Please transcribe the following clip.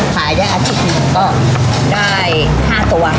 ขายได้อาทิตย์หนึ่งก็ได้๕ตัวค่ะ